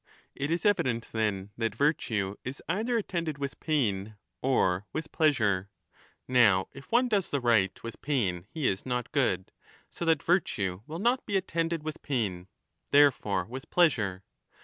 It is evident, then, that virtue is either attended with pain 20 or with pleasure. Now if one does the right with pain he is not good. So that virtue will not be attended with pain. Therefore with pleasure.